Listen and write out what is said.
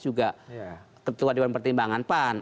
juga ketua dewan pertimbangan pan